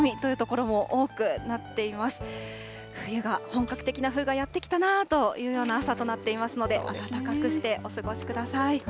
冬が、本格的な冬がやって来たなという朝となっていますので、暖かくしてお過ごしください。